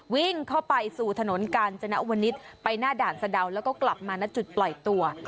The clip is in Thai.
วิ่งเข้าไปสู่ถนนกาญจนวนิษฐ์ไปหน้าด่านสะดาวแล้วก็กลับมาณจุดปล่อยตัว